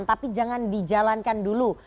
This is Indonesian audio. tapi jangan dijalankan dulu